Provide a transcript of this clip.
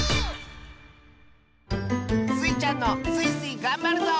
スイちゃんの「スイスイ！がんばるぞ」